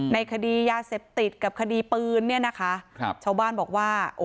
ในคดียาเสพติดกับคดีปืนเนี่ยนะคะครับชาวบ้านบอกว่า